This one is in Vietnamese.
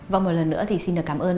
và một lần nữa thì xin được cảm ơn